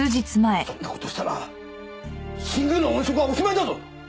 そんな事したら新宮の音色はおしまいだぞ！